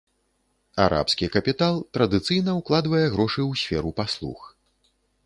Арабскі капітал традыцыйна укладвае грошы ў сферу паслуг.